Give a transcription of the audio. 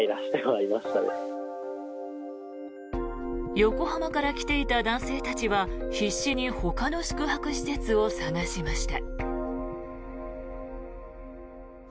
横浜から来ていた男性たちは必死にほかの宿泊施設を探しました。